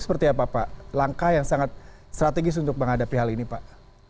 seperti apa pak langkah yang sangat strategis untuk menghadapi hal ini pak